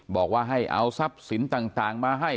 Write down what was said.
บอกว่าให้เอาทรัพย์สินต่างมาให้